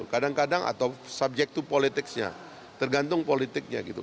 kadang kadang atau subject to politiknya tergantung politiknya gitu